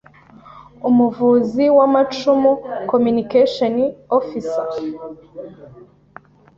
Umuvuzi w’amacumu: Communication Offi cer